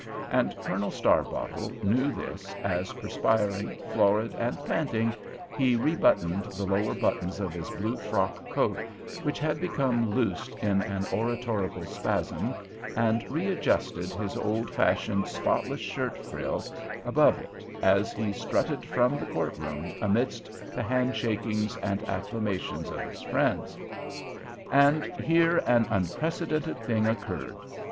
And Colonel Starbottle knew this, as, perspiring, florid, and panting, he rebuttoned the lower buttons of his blue frock coat, which had become loosed in an oratorical spasm, and readjusted his old fashioned, spotless shirt frill above it as he strutted from the courtroom amidst the hand shakings and acclamations of his friends. And here an unprecedented thing occurred.